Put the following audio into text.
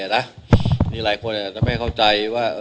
นี่หลายคนอาจจะไม่เข้าใจว่า